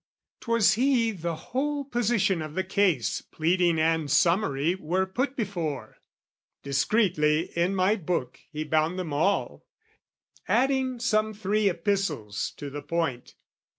'Twas he, the "whole position of the case," Pleading and summary, were put before; Discreetly in my Book he bound them all, Adding some three epistles to the point.